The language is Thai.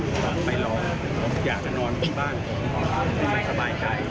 ผมไปรอผมอยากจะนอนคู่บ้านไปสบายใจ